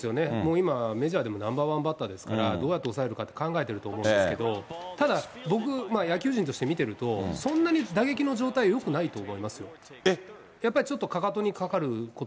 今、メジャーでもナンバーワンバッターですから、どうやって抑えるか考えてると思うんですけれども、ただ、僕、野球人として見てると、そんなに打撃の状態よくないと思いますよ。